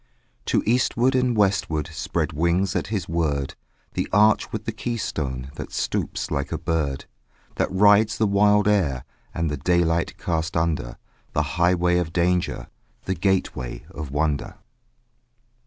To eastward and westward Spread wings at his word The arch with the key stone That stoops like a bird; That rides the wild air And the daylight cast under; The highway of danger, The gateway of wonder.